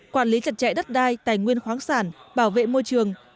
quản lý chặt chẽ đất đai tài nguyên khoáng sản bảo vệ môi trường